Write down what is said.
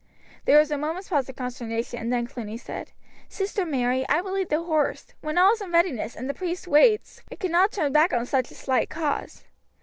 There was a moment's pause of consternation, and then Cluny said: "Sister Mary, I will lead the horse. When all is in readiness, and the priest waits, we cannot turn back on such a slight cause."